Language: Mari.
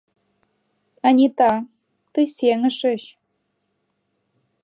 — Анита, тый сеҥышыч!